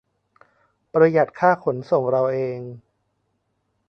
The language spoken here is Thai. - ประหยัดค่าส่งเราเอง